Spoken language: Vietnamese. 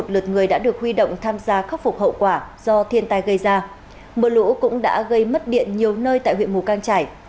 hai chín trăm linh một lượt người đã được huy động tham gia khắc phục hậu quả do thiên tai gây ra mưa lũ cũng đã gây mất điện nhiều nơi tại huyện mù cang trải